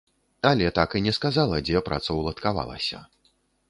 Але так і не сказала, дзе працаўладкавалася.